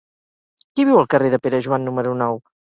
Qui viu al carrer de Pere Joan número nou?